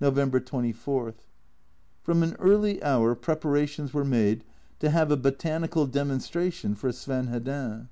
November 24. From an early hour preparations were made to have a Botanical Demonstration for Sven Hedin.